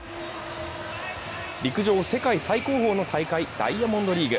陸上、世界最高峰の大会ダイヤモンドリーグ。